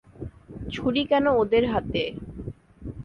ছুরি কেন ওদের হাতে?